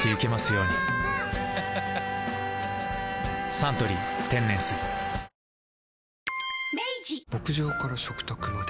「サントリー天然水」牧場から食卓まで。